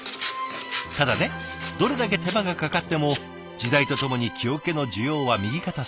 ただねどれだけ手間がかかっても時代とともに木桶の需要は右肩下がり。